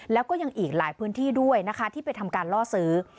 แล้วก็ยังอีกหลายพื้นที่ด้วยนะคะที่ไปทำการล่อซื้อ